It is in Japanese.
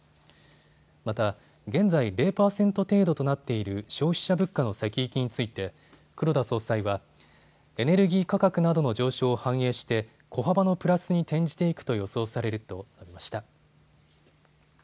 また現在、０％程度となっている消費者物価の先行きについて黒田総裁はエネルギー価格などの上昇を反映して小幅のプラスに転じていくと予想されると述べました。